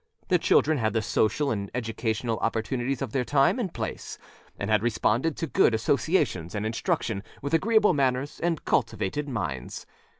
Their children had the social and educational opportunities of their time and place, and had responded to good associations and instruction with agreeable manners and cultivated minds.